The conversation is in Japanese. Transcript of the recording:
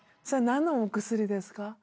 それは何のお薬ですか？